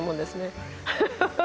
ハハハハ！